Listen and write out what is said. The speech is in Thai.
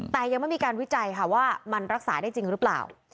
แต่ยังไม่มีการวิจัยค่ะว่ามันรักษาได้จริงหรือเปล่า